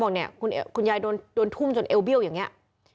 เนี่ยคุณยายโดนทุ่มจนเอวเบี้ยวอย่างนี้